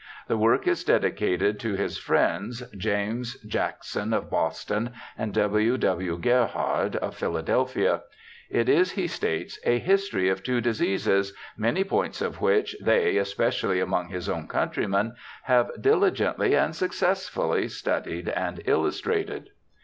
The work is dedicated to his friends, James Jackson, of Boston, and W. W. Gerhard, of Philadelphia ; it is, he states, ' a history of two diseases, many points of which they, especially among his own countrymen, have diligently and success fully studied and illustrated.'